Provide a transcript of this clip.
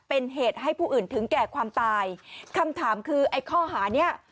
เป็นเหตุให้ผู้อื่นถึงแก่ความตายคำถามคือไอ้ข้อหาเนี้ย